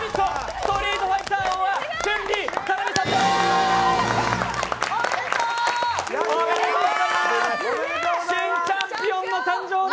ストリートファイター王は春麗、田辺さんです！